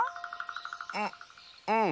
ううん。